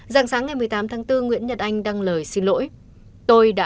ràng sáng ngày một mươi tám tháng bốn nguyễn nhật anh đăng lời xin lỗi